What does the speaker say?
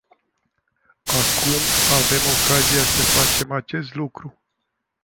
Acum, avem ocazia să facem acest lucru.